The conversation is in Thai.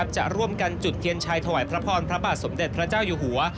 จะร่วมกันจุดเทียนชัยถวายพระพรพระบาทสมเด็จพระเจ้าอยู่หัว